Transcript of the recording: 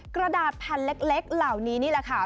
กระดาษแผ่นเล็กเหล่านี้นี่แหละค่ะ